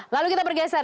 lalu kita bergeser